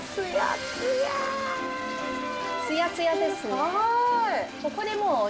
つやつやですね。